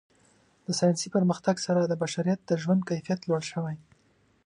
د ساینسي پرمختګ سره د بشریت د ژوند کیفیت لوړ شوی.